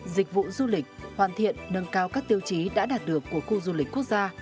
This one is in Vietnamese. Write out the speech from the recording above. dịch vụ du lịch hoàn thiện nâng cao các tiêu chí đã đạt được của khu du lịch quốc gia